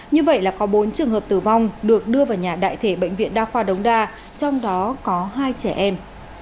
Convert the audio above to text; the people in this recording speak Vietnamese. như vậy là có bốn trường hợp tử vong được đưa vào nhà đại thể bệnh viện đa khoa đống đa trong đó có hai trẻ em